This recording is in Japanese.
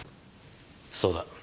そうだ。